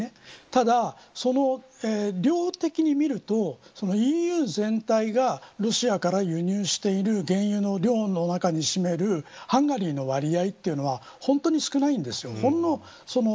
ただ、その量的に見るとＥＵ全体がロシアから輸入している原油の量の中に占めるハンガリーの割合というのは本当に少ないんです。